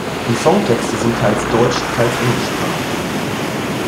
Die Songtexte sind teils deutsch-, teils englischsprachig.